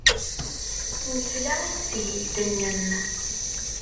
Nesla i tesgilt-nnem.